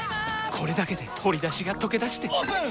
これだけで鶏だしがとけだしてオープン！